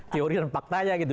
teori dan faktanya gitu